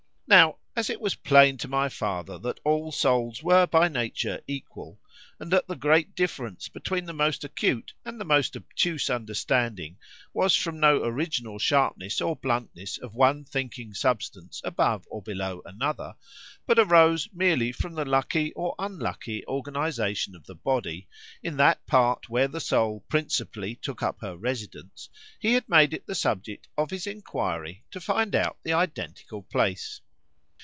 Now, as it was plain to my father, that all souls were by nature equal,——and that the great difference between the most acute and the most obtuse understanding——was from no original sharpness or bluntness of one thinking substance above or below another,——but arose merely from the lucky or unlucky organization of the body, in that part where the soul principally took up her residence,——he had made it the subject of his enquiry to find out the identical place.